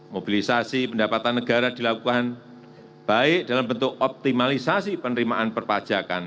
mobilisasi pendapatan negara dilakukan baik dalam bentuk optimalisasi penerimaan perpajakan